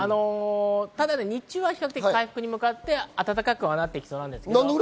日中は比較的回復に向かって暖かくなっていきそうです。